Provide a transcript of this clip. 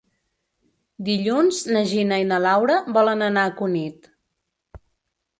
Dilluns na Gina i na Laura volen anar a Cunit.